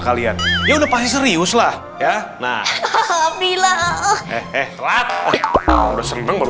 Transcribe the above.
kalian ya udah pasti serius lah ya nah apilah